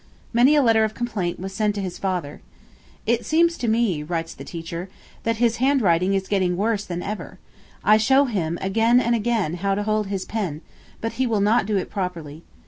Many a letter of complaint was sent to his father. 'It seems to me,' writes the teacher, 'that his handwriting is getting worse than ever. I show him, again and again, how to hold his pen; but he will not do it properly.